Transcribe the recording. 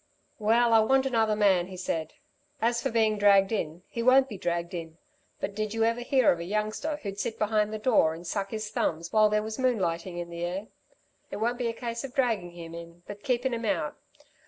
"Well, I want another man," he said. "As for being dragged in, he won't be dragged in. But did you ever hear of a youngster who'd sit behind the door and suck his thumbs while there was moonlighting in the air? It won't be a case of draggin' him in, but keepin' him out.